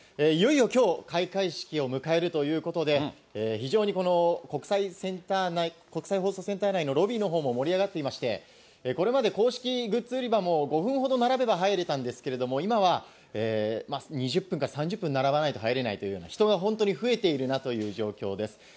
いよいよきょう、開会式を迎えるということで、非常にこの国際放送センター内のロビーのほうも盛り上がっていまして、これまで公式グッズ売り場も５分ほど並べば入れたんですけれども、今は２０分から３０分並ばないと入れないという、人が本当に増えているなという状況です。